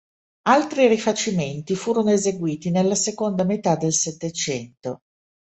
Altri rifacimenti furono eseguiti nella seconda metà del Settecento.